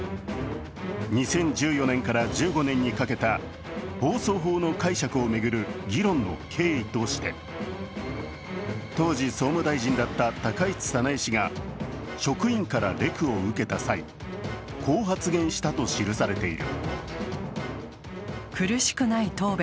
２０１４年から２０１５年にかけた放送法の解釈を巡る議論の経緯として当時、総務大臣だった高市早苗氏が職員からレクを受けた際こう発言したと記されている。